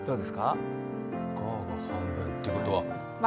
ガーの半分ってことは？